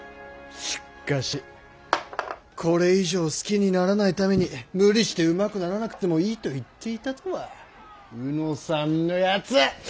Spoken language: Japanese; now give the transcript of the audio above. しかしこれ以上好きにならないために無理してうまくならなくてもいいと言っていたとは卯之さんのやつ。